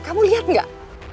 kamu lihat gak